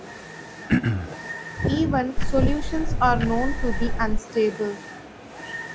Even solutions are known to be unstable.